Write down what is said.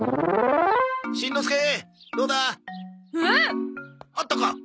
あったか？